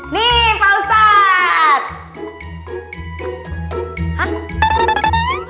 nih pak ustadz